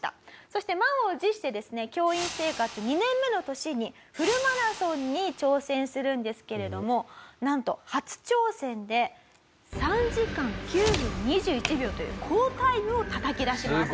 そして満を持してですね教員生活２年目の年にフルマラソンに挑戦するんですけれどもなんと初挑戦で３時間９分２１秒という好タイムをたたき出します。